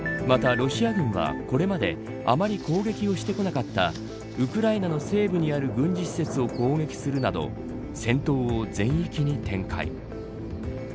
またロシア軍は、これまであまり攻撃をしてこなかったウクライナ西部にある軍事施設を攻撃するなど戦闘を全域に展開。